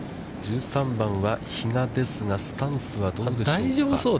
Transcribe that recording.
１３番は比嘉ですが、スタンスはどうでしょう？